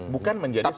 bukan menjadi sesuatu